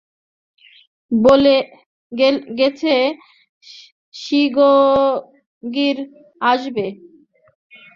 বলে গেছে শিগগির আসবে।